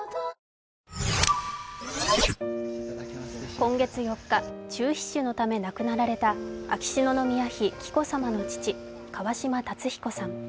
今月４日、中皮腫のため亡くなられた秋篠宮妃・紀子さまの父・川嶋辰彦さん。